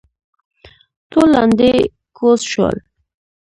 ټول لاندې کوز شول.